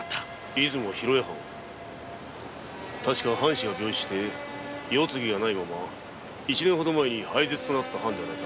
出雲広江藩確か藩主が病死して世継ぎがないまま一年ほど前に廃絶となった藩ではないか？